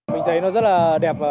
mình thấy nó rất là đẹp